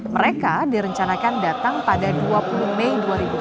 mereka direncanakan datang pada dua puluh mei dua ribu dua puluh